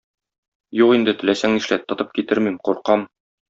Юк инде, теләсәң нишләт, тотып китермим, куркам.